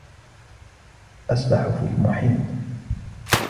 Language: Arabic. أسبح في المحيط.